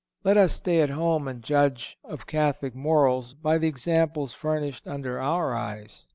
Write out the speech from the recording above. Let us stay at home and judge of Catholic morals by the examples furnished under our eyes.